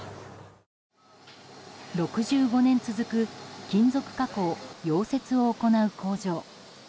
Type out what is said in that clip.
６５年続く金属加工・溶接を行う工場。